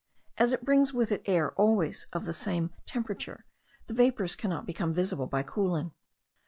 As it brings with it air always of the same temperature, the vapours cannot become visible by cooling.